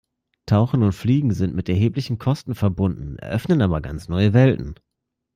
Tauchen und Fliegen sind mit erheblichen Kosten verbunden, eröffnen aber ganz neue Welten.